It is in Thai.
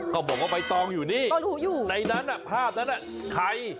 บอกว่าใบตองอยู่นี่ในนั้นภาพนั้นใคร